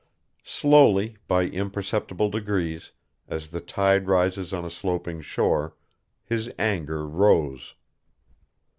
Slowly, by imperceptible degrees, as the tide rises on a sloping shore, his anger rose.